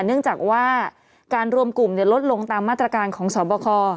เนื่องจากว่าการรวมกลุ่มลดลงตามมาตรการของสอบคอ